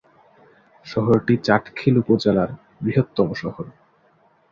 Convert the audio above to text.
শহরটি চাটখিল উপজেলার বৃহত্তম শহর।